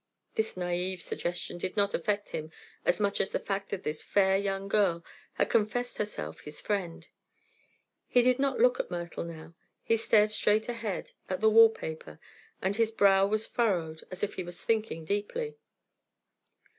This naive suggestion did not affect him as much as the fact that this fair young girl had confessed herself his friend. He did not look at Myrtle now; he stared straight ahead, at the wall paper, and his brow was furrowed as if he was thinking deeply.